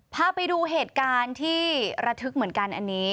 พาไปดูเหตุการณ์ที่ระทึกเหมือนกันอันนี้